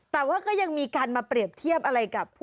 แต่ว่าก็ยังมีการมาเปรียบเทียบอะไรกับ